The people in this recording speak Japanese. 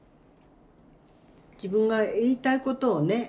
自分が言いたいことをね